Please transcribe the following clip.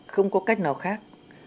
không có cách nào khác